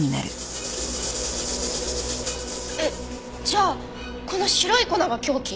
えっじゃあこの白い粉が凶器？